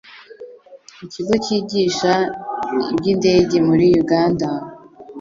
ikigo kigisha iby'indege muri Uganda,